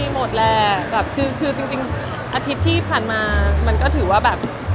โหดแรกคืออาทิตย์ที่ผ่านมามันก็ถือว่าแบบ